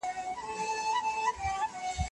ډاکټره به د لوړ ږغ سره پاڼه ړنګه نه کړي.